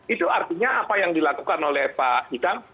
itu artinya apa yang dilakukan oleh pak idam